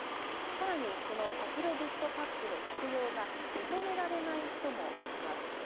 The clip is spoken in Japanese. さらにこのパキロビッドパックの服用が認められない人もいます。